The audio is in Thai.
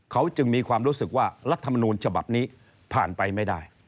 เขาจึงมีความรู้สึกว่ารัฐมนูลฉบับนี้ผ่านไปไม่ได้